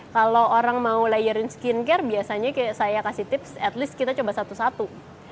kalau orang mau layerin skincare biasanya kayak saya kasih tips at least kita coba satu satu